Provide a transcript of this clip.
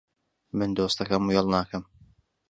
من دۆستەکەم وێڵ ناکەم